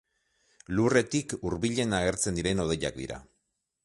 Lurretik hurbilen agertzen diren hodeiak dira.